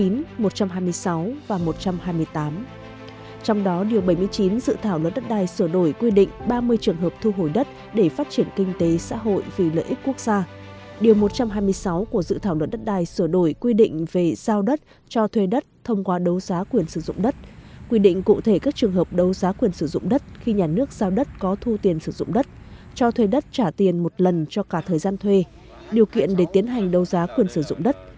năm hai mươi tám dự thảo luật đất đai sửa đổi quy định về sử dụng đất để thực hiện dự án đầu tư thông qua việc thỏa thuận về quyền sử dụng đất